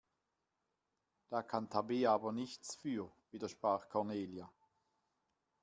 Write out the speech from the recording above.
Da kann Tabea aber nichts für, widersprach Cornelia.